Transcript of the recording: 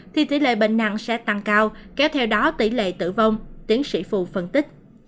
thì tỷ lệ bệnh nặng sẽ tăng cao kéo theo đó tỷ lệ tử vong tiến sĩ phù phân tích